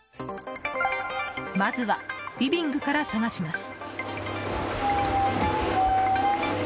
まずはリビングから探します。